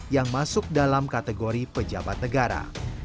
yang masuk dalam kategori pejabat negara